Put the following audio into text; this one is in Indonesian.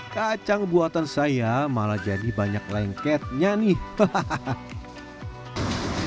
kacang buatan saya malah jadi banyak lengketnya nih